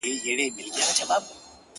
تر خوړلو ئې اميد ښه دئ.